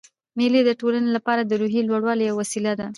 مېلې د ټولنې له پاره د روحیې لوړولو یوه وسیله ده.